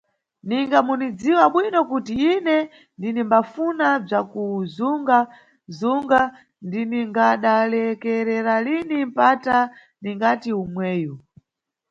Ninga munidziwa bwino kuti ine ndinimbafuna bzakuzunga–zunga ndiningadalekerera lini mpata ningati omweyu.